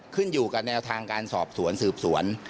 ขึ้นอยู่กับแนวทางการสอบสวนสืบสวน